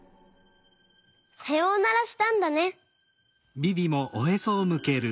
さようならしたんだね。